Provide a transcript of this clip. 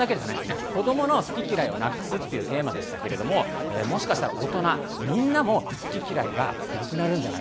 子どもの好き嫌いをなくすっていうテーマでしたけれどももしかしたら大人みんなも好き嫌いがなくなるんじゃないか。